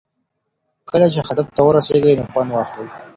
کله چې هدف ته ورسېږئ نو خوند واخلئ.